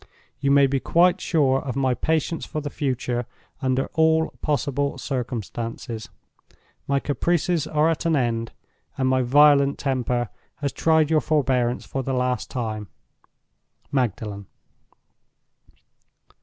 You may be quite sure of my patience for the future, under all possible circumstances. My caprices are at an end, and my violent temper has tried your forbearance for the last time. "MAGDALEN."